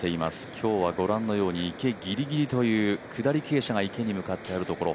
今日はご覧のように池ギリギリという下り傾斜の池に向かってあるところ。